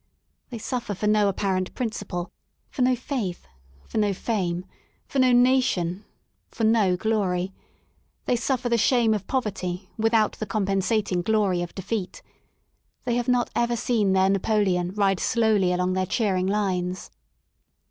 They suffer for no apparent principle, for no faith, for no fame, for no nation, for no glory; they suffer the shame of poverty without the compensat ing glory of defeat. They have not ever seen their Napoleon ride slowly along their cheering lines.